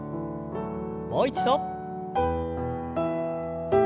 もう一度。